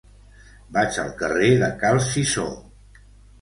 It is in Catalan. Vaig al carrer de Cal Cisó.